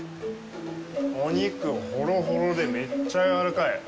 お肉、ほろほろでめっちゃやわらかい。